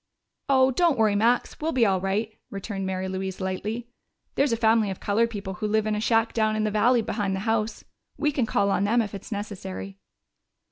"Oh, don't worry, Max, we'll be all right," returned Mary Louise lightly. "There's a family of colored people who live in a shack down in the valley behind the house. We can call on them if it is necessary."